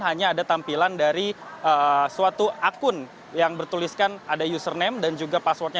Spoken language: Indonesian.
hanya ada tampilan dari suatu akun yang bertuliskan ada username dan juga passwordnya